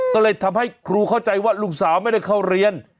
ก็เลยทำให้ครูเข้าใจว่าลูกสาวไม่ได้เข้าเรียน